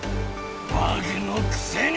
バグのくせに！